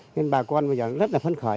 nên bà con rất là phân khởi